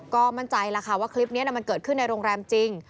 ก็มั่นใจแล้วค่ะว่าคลิปนี้มันเกิดขึ้นในโรงแรมจริง